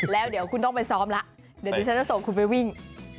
แล้วเดี๋ยวคุณต้องไปซ้อมแล้วเดี๋ยวดิฉันจะส่งคุณไปวิ่ง